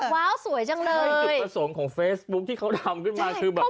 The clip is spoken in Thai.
ว้าวสวยจังเลยส่วนของเฟซบุ๊กที่เขาทำขึ้นมาคือแบบ